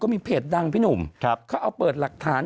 มีเพจดังพี่หนุ่มเขาเอาเปิดหลักฐาน